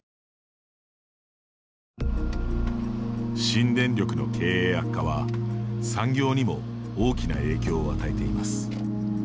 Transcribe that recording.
新電力の経営悪化は、産業にも大きな影響を与えています。